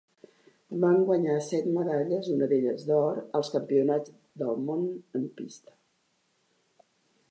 Va guanyar set medalles, una d'elles d'or, als Campionats del Món en pista.